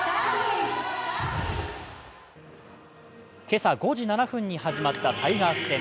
今朝５時７分に始まったタイガース戦。